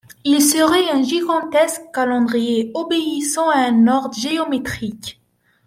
Il serait un gigantesque calendrier, obéissant à un ordre géométrique.